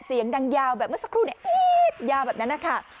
เสียงดังยาวแบบเมื่อสักครู่เนี่ยอี๊ดยาวแบบนั้นนะคะ